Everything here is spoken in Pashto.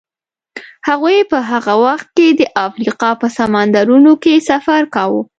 هغوی په هغه وخت کې د افریقا په سمندرونو کې سفر کاوه.